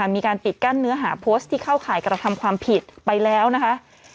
มีการปิดกั้นเนื้อหาโพสต์ที่เข้าข่ายกระทำความผิดไปแล้วนะคะ